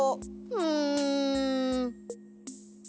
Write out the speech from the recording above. うん。